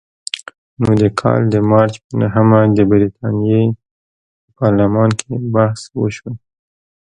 نو د کال د مارچ په نهمه د برتانیې په پارلمان کې بحث وشو.